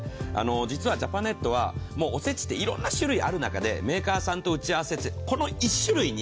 実はジャパネットはおせちっていろんな種類ある中で、メーカーさんと打ち合わせて、この１種類に